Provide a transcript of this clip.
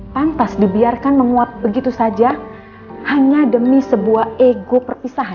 pantas dibiarkan menguap begitu saja hanya demi sebuah ego perpisahan